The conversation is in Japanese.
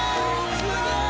すげえ！